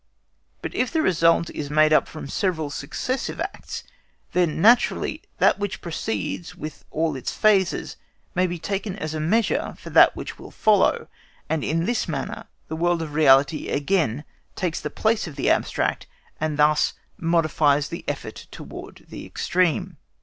But if the result is made up from several successive acts, then naturally that which precedes with all its phases may be taken as a measure for that which will follow, and in this manner the world of reality again takes the place of the abstract, and thus modifies the effort towards the extreme.